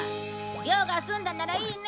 用が済んだならいいね？